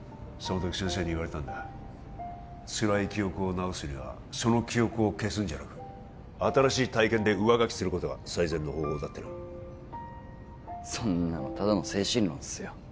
その時先生に言われたんだつらい記憶を治すにはその記憶を消すんじゃなく新しい体験で上書きすることが最善の方法だってなそんなのただの精神論っすよ